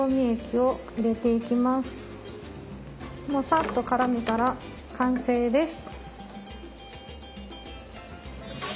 もうさっとからめたら完成です。